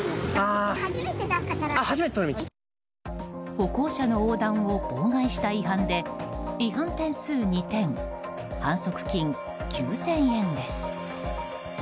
歩行者の横断を妨害した違反で違反点数２点反則金９０００円です。